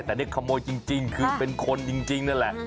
แต่นี่ขโมยจริงคือเป็นคนจริงนั่นแหละ